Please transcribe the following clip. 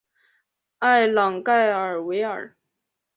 埃朗盖尔维尔。